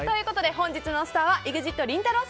本日のスターはＥＸＩＴりんたろー。